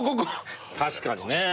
確かにね。